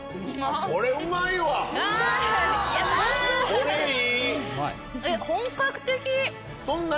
これいい！